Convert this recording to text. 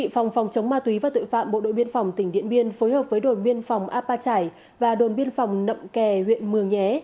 phòng phòng chống ma túy và tội phạm bộ đội biên phòng tỉnh điện biên phối hợp với đồn biên phòng apa trải và đồn biên phòng nậm kè huyện mường nhé